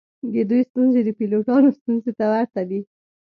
د دوی ستونزې د پیلوټانو ستونزو ته ورته دي